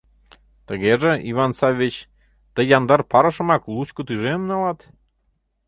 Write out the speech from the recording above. Тыгеже, Иван Саввич, тый яндар парышымак лучко тӱжемым налат?